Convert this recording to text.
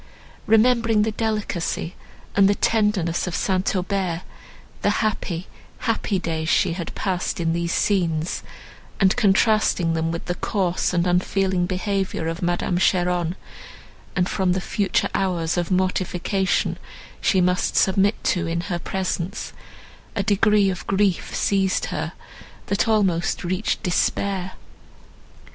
Remembering the delicacy and the tenderness of St. Aubert, the happy, happy days she had passed in these scenes, and contrasting them with the coarse and unfeeling behaviour of Madame Cheron, and from the future hours of mortification she must submit to in her presence—a degree of grief seized her, that almost reached despair.